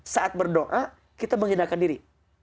saat berdoa kita menghinakan diri